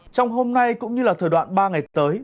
trong hôm nay cũng như là thời đoạn ba ngày tới